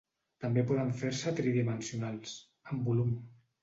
També poden fer-se tridimensionals, amb volum.